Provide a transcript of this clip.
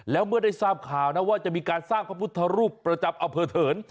แล้วเมื่อได้ทราบข่าวนะว่าจะมีการสร้างพระพุทธรูปประจำอำเภอเถิน